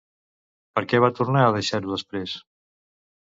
Per què va tornar a deixar-ho després?